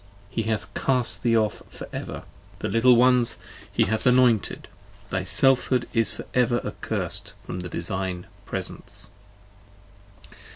He hath cast thee off for ever; the little ones he hath anointed! 45 Thy Selfhood is for ever accursed from the Divine presence.